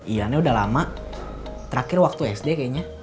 iya ini udah lama terakhir waktu sd kayaknya